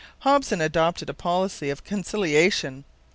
Hopson adopted a policy of conciliation.